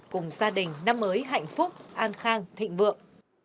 cùng gia đình năm mới hạnh phúc an khang thịnh vượng